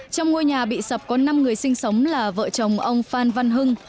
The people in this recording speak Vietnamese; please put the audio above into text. trong ngôi nhà bị sập có năm người sinh sống là vợ chồng ông phan văn hưng